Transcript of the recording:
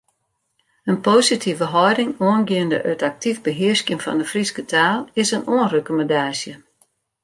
In positive hâlding oangeande it aktyf behearskjen fan de Fryske taal is in oanrekommandaasje.